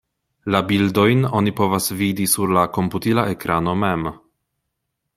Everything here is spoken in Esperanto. La bildojn oni povas vidi sur la komputila ekrano mem.